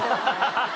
ハハハハ！